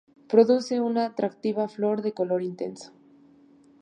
Produce una atractiva flor de color intenso.